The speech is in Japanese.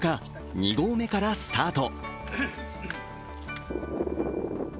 ２合目からスタート。